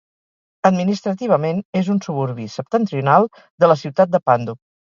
Administrativament, és un suburbi septentrional de la ciutat de Pando.